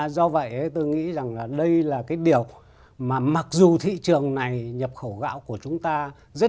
do vậy tôi nghĩ rằng là đây là cái điều mà mặc dù thị trường này nhập khẩu gạo của chúng ta rất